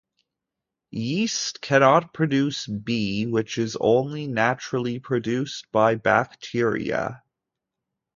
Yeast cannot produce B, which is only naturally produced by bacteria.